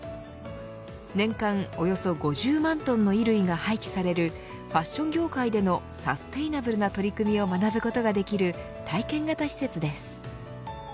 年間およそ５０万トンの衣類が廃棄されるファッション業界でのサステイナブルな取り組みを学ぶことができる体験型施設です。